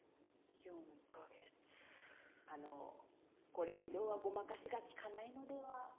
あのうこれ以上はごまかしが利かないのでは。